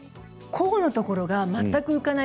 甲のところが全く浮かない。